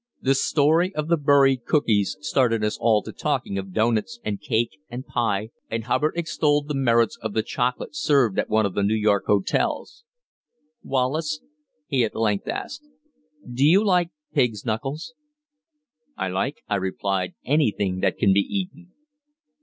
The story of the buried cookies started us all to talking of doughnuts, and cake, and pie, and Hubbard extolled the merits of the chocolate served at one of the New York hotels. "Wallace," he at length asked, "do you like pig's knuckles?" "I like," I replied, "anything that can be eaten."